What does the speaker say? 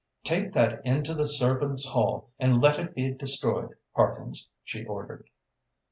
"Take that into the servants' hall and let it be destroyed, Parkins," she ordered.